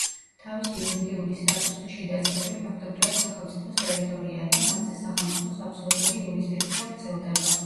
თავისი იურიდიული სტატუსით შიდა წყლები ფაქტობრივად სახელმწიფოს ტერიტორიაა და მათზე სახელმწიფოს აბსოლუტური იურისდიქცია ვრცელდება.